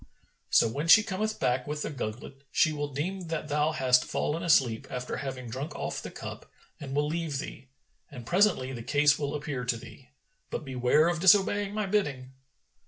So when she cometh back with the gugglet, she will deem that thou hast fallen asleep, after having drunk off the cup, and will leave thee; and presently the case will appear to thee; but beware of disobeying my bidding."